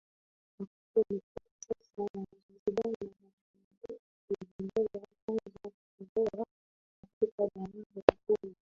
Wakati umefika sasa Wazanzibar na watanzania kwa ujumla kuanza kuvua katika bahari kuu